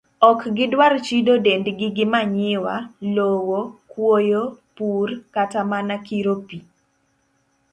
Ok gidwar chido dendgi gi manyiwa, lowo, kuoyo, pur, kata mana kiro pi.